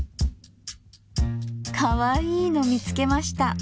かわいいの見つけました。